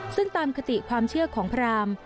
ซึ่งตามคติความเชื่อของพราม